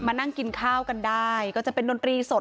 นั่งกินข้าวกันได้ก็จะเป็นดนตรีสด